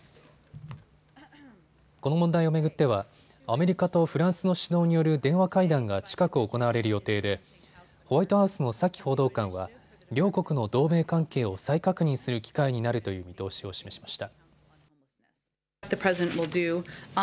この問題を巡ってはアメリカとフランスの首脳による電話会談が近く行われる予定でホワイトハウスのサキ報道官は両国の同盟関係を再確認する機会になるという見通しを示しました。